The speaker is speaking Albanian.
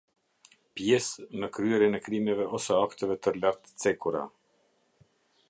Pjesë në kryerjen e krimeve ose akteve të lartcekura.